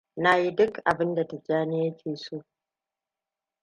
Na yi duk abinda Tijjania ya ke so.